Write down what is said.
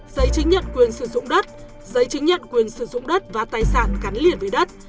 giấy chứng nhận quyền sử dụng đất giấy chứng nhận quyền sử dụng đất và tài sản gắn liền với đất